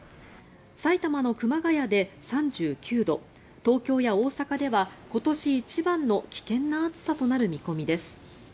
埼玉の熊谷で３９度東京や大阪では今年一番の危険な暑さとなる見込みです。